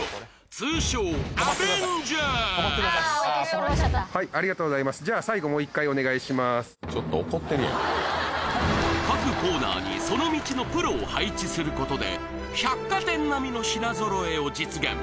通称各コーナーにその道のプロを配置することで百貨店並みの品揃えを実現